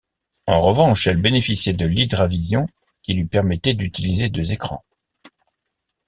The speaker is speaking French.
En revanche, elle bénéficiait de l'HydraVision qui lui permettait d'utiliser deux écrans.